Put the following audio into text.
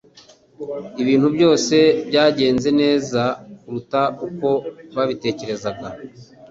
Ibintu byose byagenze neza kuruta uko nabitekerezaga